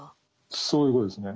そういうことですね。